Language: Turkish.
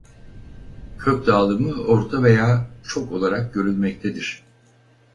Kök dağılımı orta veya çok olarak görülmektedir.